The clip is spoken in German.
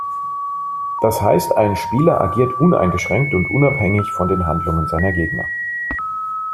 Das heißt, ein Spieler agiert uneingeschränkt und unabhängig von den Handlungen seiner Gegner.